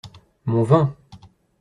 Mon vin.